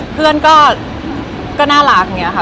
เพื่อนก็น่ารักเนี่ยค่ะ